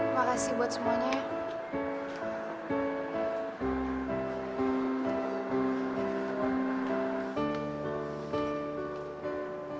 makasih buat semuanya ya